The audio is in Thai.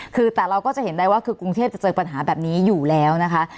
คือแต่เราก็จะเห็นได้ว่าคือกรุงเทพจะเจอปัญหาแบบนี้อยู่แล้วนะคะ